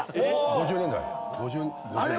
５０年代？